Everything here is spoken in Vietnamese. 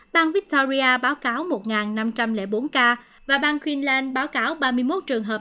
bang victoria báo cáo một năm trăm linh bốn ca và bang queenland báo cáo ba mươi một trường hợp